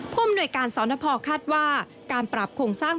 พรุ่งหน่วยการซนพธ์คาดว่าการปรับคงสร้าง